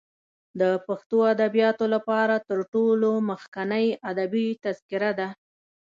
د پښتو ادبیاتو لپاره تر ټولو مخکنۍ ادبي تذکره ده.